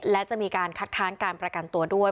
และจะมีการคัดค้านการประกันตัวด้วย